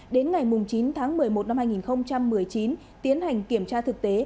đến ngày chín tháng một mươi một năm hai nghìn một mươi chín tiến hành kiểm tra thực tế